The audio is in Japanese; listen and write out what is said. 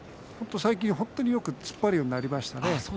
最近は本当によく突っ張るようになりました。